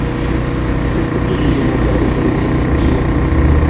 প্রত্যেকেই নিজের মন দ্বারা এই জগৎকে বিচার করিয়া থাকে।